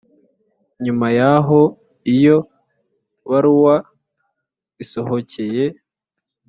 Nyuma y'aho iyo baruwa isohokeye